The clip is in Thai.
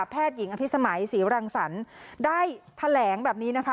แพทย์หญิงอภิษมัยศรีรังสรรค์ได้แถลงแบบนี้นะคะ